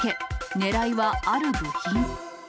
狙いはある部品。